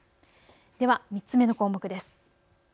では３つ目の項目です。